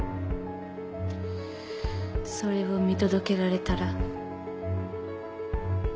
それを見届けられたら？